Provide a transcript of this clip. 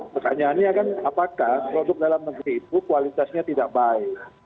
pertanyaannya kan apakah produk dalam negeri itu kualitasnya tidak baik